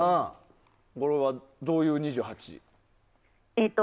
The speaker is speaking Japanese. これは、どういう２８？